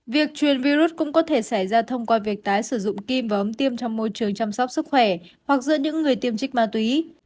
việc truyền virus cũng có thể xảy ra thông qua việc tái sử dụng kim và ống tiêm trong môi trường chăm sóc sức khỏe hoặc giữa những người tiêm trích ma túy